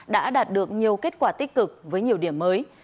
đã đạt được nhiều kết quả tích cực với nhiều điểm mới